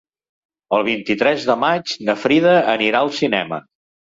El vint-i-tres de maig na Frida anirà al cinema.